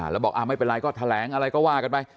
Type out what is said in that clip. แล้วบอกไม่เป็นไรก็แถลงอะไรก็ว่ากันไป